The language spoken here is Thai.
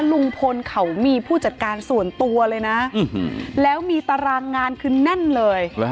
ลุงพลเขามีผู้จัดการส่วนตัวเลยนะแล้วมีตารางงานคือแน่นเลย